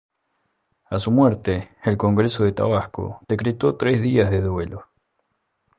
A su muerte, el Congreso de Tabasco decretó tres días de duelo.